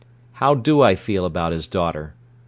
"How do I feel about his daughter?"